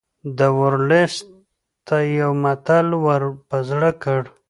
ده ورلسټ ته یو متل ور په زړه کړ.